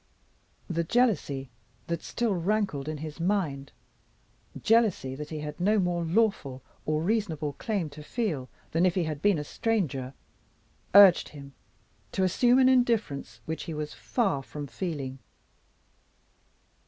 The jealousy that still rankled in his mind jealousy that he had no more lawful or reasonable claim to feel than if he had been a stranger urged him to assume an indifference which he was far from feeling.